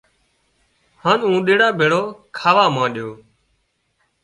هانَ اونۮيڙا ڀيڙو کاوا مانڏيو